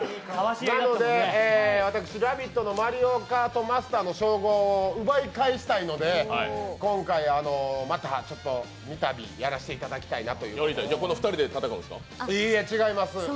なので、私、「ラヴィット！」の「マリオカート」マスターの称号を奪い返したいので今回、またみたびやらせていただきたいなと。いいえ違います。